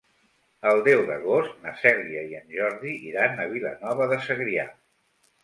El deu d'agost na Cèlia i en Jordi iran a Vilanova de Segrià.